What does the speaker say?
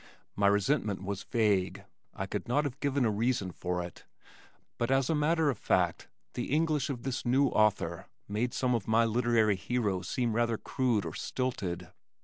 My resentment was vague, I could not have given a reason for it, but as a matter of fact, the English of this new author made some of my literary heroes seem either crude or stilted.